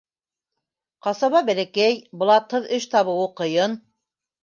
Ҡасаба бәләкәй, блатһыҙ эш табыуы ҡыйын.